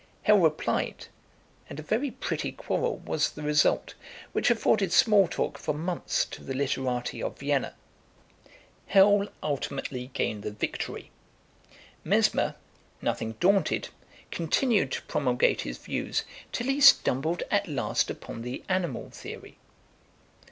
Hell replied, and a very pretty quarrel was the result, which afforded small talk for months to the literati of Vienna. Hell ultimately gained the victory. Mesmer, nothing daunted, continued to promulgate his views till he stumbled at last upon the animal theory.